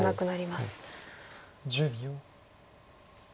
１０秒。